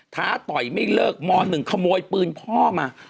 ท้าต่อยไม่เลิกม๑ขโมยปืนพ่อมา